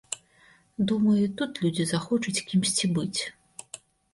Думаю, і тут людзі захочуць кімсьці быць.